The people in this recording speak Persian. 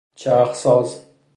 چرخساز